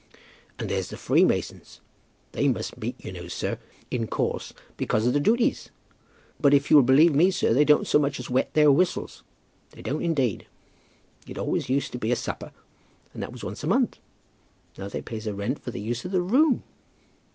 "And there's the Freemasons. They must meet, you know, sir, in course, because of the dooties. But if you'll believe me, sir, they don't so much as wet their whistles. They don't indeed. It always used to be a supper, and that was once a month. Now they pays a rent for the use of the room!